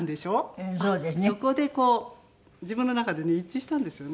そこでこう自分の中でね一致したんですよね。